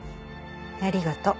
ありがと。